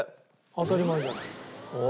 当たり前じゃない。